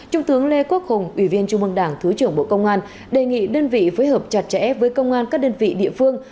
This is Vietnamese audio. trung tướng lê quốc hùng ủy viên trung mương đảng thứ trưởng bộ công an đề nghị đơn vị phối hợp chặt chẽ với công an các đơn vị địa phương